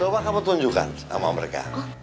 coba kamu tunjukkan sama mereka